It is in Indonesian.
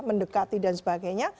mendekati dan sebagainya